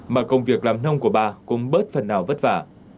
mà công việc làm nông của bà cũng bớt phần nào vất vả